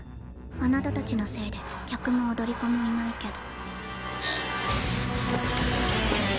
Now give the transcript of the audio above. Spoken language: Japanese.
あなたたちのせいで客も踊り子もいないけど。